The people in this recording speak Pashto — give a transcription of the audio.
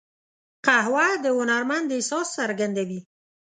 قهوه د هنرمند احساس څرګندوي